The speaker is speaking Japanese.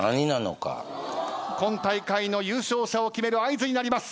今大会の優勝者を決める合図になります。